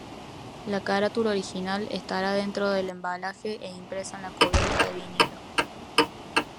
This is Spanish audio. La carátula original estará dentro del embalaje e impresa en la cubierta de vinilo.